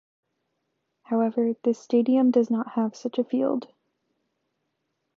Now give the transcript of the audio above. However, this stadium does not have such a field.